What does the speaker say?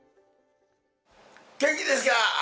元気ですかー！